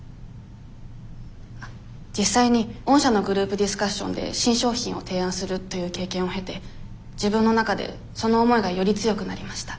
あっ実際に御社のグループディスカッションで新商品を提案するという経験を経て自分の中でその思いがより強くなりました。